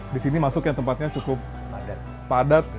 di sini masuk yang tempatnya cukup padat